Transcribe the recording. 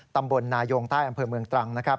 ตำบลนายงใต้อำเภอเมืองตรังนะครับ